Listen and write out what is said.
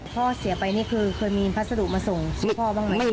พ่อเสียไปนี่คือเคยมีพัสดุมาส่งชื่อพ่อบ้างไหม